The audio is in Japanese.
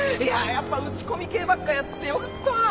やっぱ打ち込み系ばっかやっててよかったー！